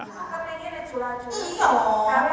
kamu pengennya jualan jualan